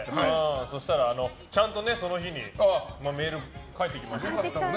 そしたら、ちゃんとその日に返ってきました。